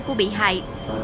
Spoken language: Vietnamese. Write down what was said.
của bị hại